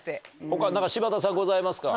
他何か柴田さんございますか？